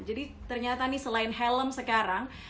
jadi ternyata nih selain helm sekarang